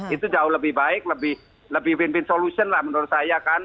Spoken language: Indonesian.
itu jauh lebih baik lebih win win solution lah menurut saya kan